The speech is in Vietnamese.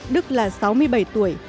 đức là sáu mươi bảy tuổi